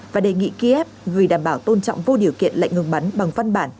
và đề nghị kiev gửi đảm bảo tôn trọng vô điều kiện lệnh ngừng bắn bằng văn bản